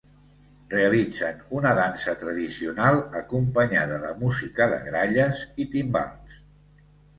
Realitzen una dansa tradicional acompanyada de música de gralles i timbals.